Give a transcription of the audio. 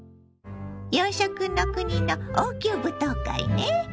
洋食の国の王宮舞踏会ね。